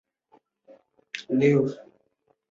海伦伯格和编剧希尔将其写成了草稿。